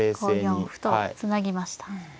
５四歩とつなぎました。